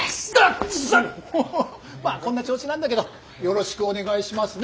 まあこんな調子なんだけどよろしくお願いしますね。